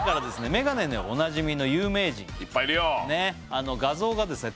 メガネでおなじみの有名人いっぱいいるよねっ画像がですね